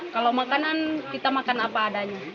kalau makanan kita makan apa adanya